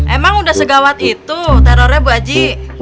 emang udah segawat itu terornya bu aji